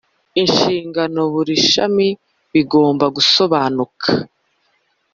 inshingano buri shami bigomba gusobanuka